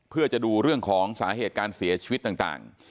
เพื่อจะดูเรื่องของสาเหตุการเสียชีวิตต่าง